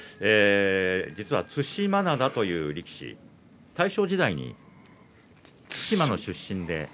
実は對馬洋という力士大正時代に対馬の出身で。